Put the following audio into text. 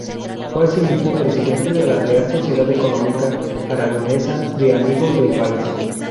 Fue asimismo Presidente de la Real Sociedad Económica Aragonesa de Amigos del País.